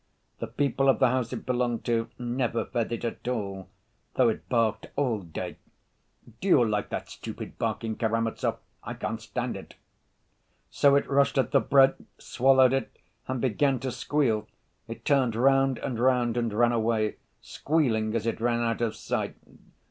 The people of the house it belonged to never fed it at all, though it barked all day. (Do you like that stupid barking, Karamazov? I can't stand it.) So it rushed at the bread, swallowed it, and began to squeal; it turned round and round and ran away, squealing as it ran out of sight.